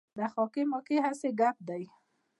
دغه خاکې ماکې هسې ګپ دی.